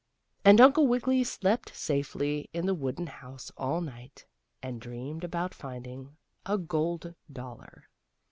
And Uncle Wiggily slept safely in the wooden house all night, and dreamed about finding a gold dollar.